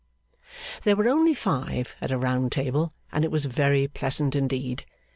There were only five, at a round table, and it was very pleasant indeed.